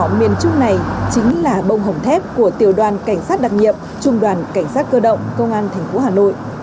cô gái nhỏ miền trung này chính là bông hồng thép của tiểu đoàn cảnh sát đặc nhiệm trung đoàn cảnh sát cơ động công an tp hà nội